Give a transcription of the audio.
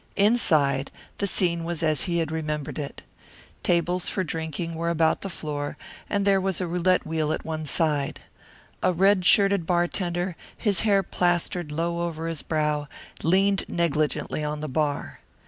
Inside, the scene was set as he remembered it. Tables for drinking were about the floor, and there was a roulette wheel at one side. A red shirted bartender, his hair plastered low over his brow, leaned negligently on the bar.